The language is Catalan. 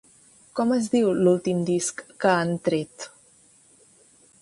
Com es diu l'últim disc que han tret?